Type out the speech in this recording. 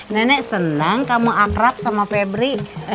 nenek senang kamu akrab sama febri